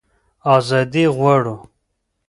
ازادي غواړو.